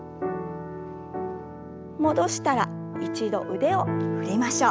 戻したら一度腕を振りましょう。